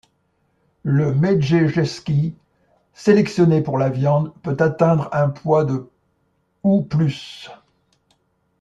Le Megejekski, sélectionné pour la viande, peut atteindre un poids de ou plus.